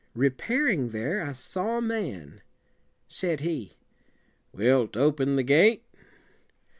Re pair ing there, I saw a man. Said he "Wilt open the gate?"